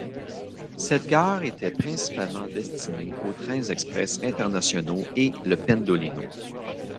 Cette gare était principalement destinée aux trains express internationaux et le Pendolino.